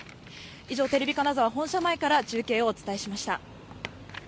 以上、テレビ金沢本社前から中継をお伝えしました。